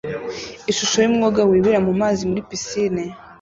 Ishusho yumwoga wibira mumazi muri pisine